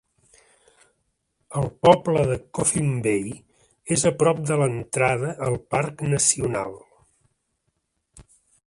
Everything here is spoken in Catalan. El poble de Coffin Bay és a prop de l'entrada al parc nacional.